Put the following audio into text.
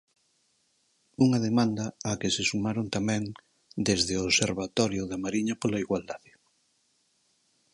Unha demanda á que se sumaron tamén desde o Observatorio da Mariña pola Igualdade.